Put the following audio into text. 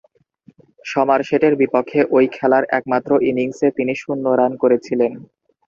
সমারসেটের বিপক্ষে ঐ খেলার একমাত্র ইনিংসে তিনি শূন্য রান করেছিলেন।